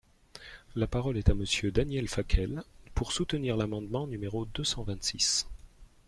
La parole est à Monsieur Daniel Fasquelle, pour soutenir l’amendement numéro deux cent vingt-six.